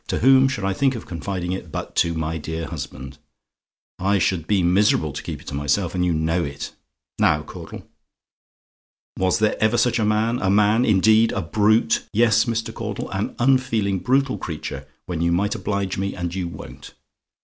To whom should I think of confiding it, but to my dear husband? I should be miserable to keep it to myself, and you know it. Now Caudle? "Was there ever such a man? A man, indeed! A brute! yes, Mr. Caudle, an unfeeling, brutal creature, when you might oblige me, and you won't.